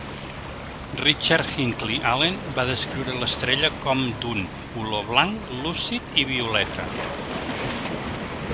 Richard Hinckley Allen va descriure l'estrella com d'un color blanc lúcid i violeta.